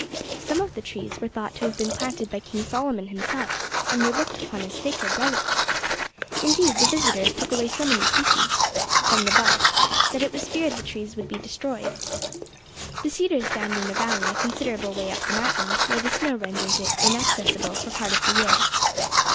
Some of the trees were thought to have been planted by King Solomon himself, and were looked upon as sacred relics. Indeed, the visitors took away so many pieces from the bark that it was feared the trees would be destroyed. The cedars stand in a valley a considerable way up the mountain, where the snow renders it inaccessible for part of the year."